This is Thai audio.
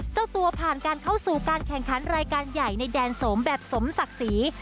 เจ้าตัวผ่านการเข้าสู่การแข่งขันรายการใหญ่ในแดนสมแบบสมศักดิ์ศรี